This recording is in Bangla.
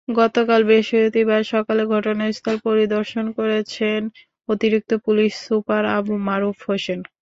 গতকাল বৃহস্পতিবার সকালে ঘটনাস্থল পরিদর্শন করেছেন অতিরিক্ত পুলিশ সুপার আবু মারুফ হোসেন।